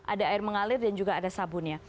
ada air mengalir dan juga ada sabunnya